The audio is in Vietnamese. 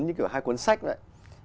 như kiểu hai cuốn sách đấy